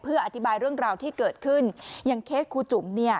อธิบายเรื่องราวที่เกิดขึ้นอย่างเคสครูจุ๋มเนี่ย